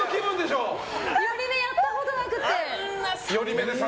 寄り目やったことないのよ。